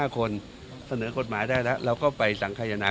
๕คนเสนอกฎหมายได้แล้วเราก็ไปสังขยนา